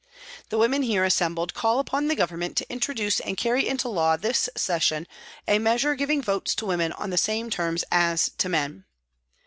The women here assembled call upon the Government to introduce and carry into law this session a measure giving votes to women on the same terms as to men.